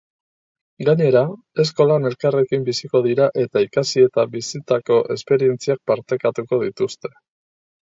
Gainera, eskolan elkarrekin biziko dira eta ikasi eta bizitako esperientziak partekatuko dituzte.